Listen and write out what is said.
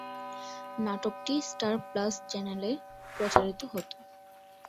নাটকটি Star Plus চ্যানেলে প্রচারিত হতো।